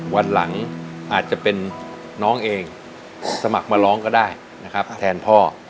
วันหลังอาจจะเป็นน้องเองสมัครมาร้องก็ได้นะครับแทนพ่อ